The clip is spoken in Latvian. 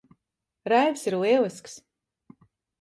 Raivis ir lielisks.